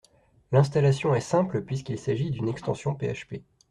L’installation est simple puisqu’il s’agisse d’une extension PHP.